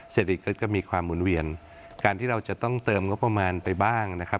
เศรษฐกิจก็มีความหมุนเวียนการที่เราจะต้องเติมงบประมาณไปบ้างนะครับ